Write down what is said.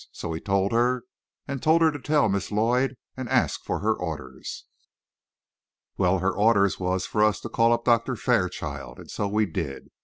So we told her, and told her to tell Miss Lloyd, and ask her for orders. Well, her orders was for us to call up Doctor Fairchild, and so we did.